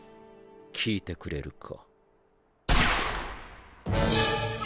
聞いてくれるか。